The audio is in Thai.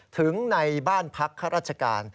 ถึงในบ้านพักข้าราชการ